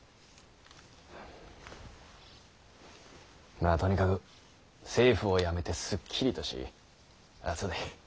まあとにかく政府を辞めてすっきりとしあぁそうだい。